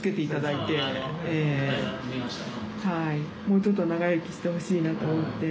もうちょっと長生きしてほしいなと思って。